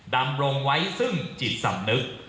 ดำรงไว้ซึ่งจิตสำนึก